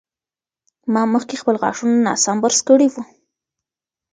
ما مخکې خپل غاښونه ناسم برس کړي وو.